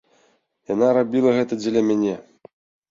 Яна рабіла гэта дзеля мяне.